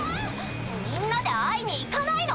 みんなで会いに行かないの？